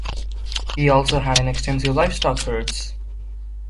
He also had extensive livestock herds.